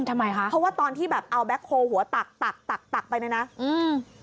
ทำไมคะเพราะว่าตอนที่แบบเอาแบ็คโฮลหัวตักตักตักตักไปเลยนะอืม